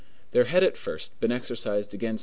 There had at first been exercised against M.